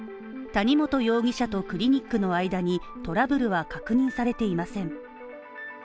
谷本容疑者とクリニックの間にトラブルは確認されていません。